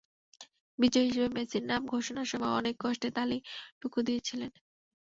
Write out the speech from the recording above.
বিজয়ী হিসেবে মেসির নাম ঘোষণার সময় অনেক কষ্টে তালি টুকু দিয়েছিলেন।